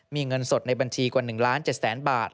มีเงินสดในบัญชีกว่า๑๗๐๐๐๐๐บาท